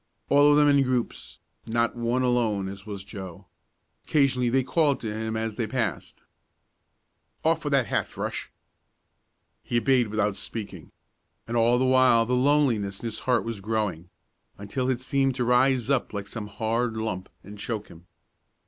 All of them in groups not one alone as was Joe. Occasionally they called to him as they passed: "Off with that hat, Fresh.!" He obeyed without speaking, and all the while the loneliness in his heart was growing, until it seemed to rise up like some hard lump and choke him.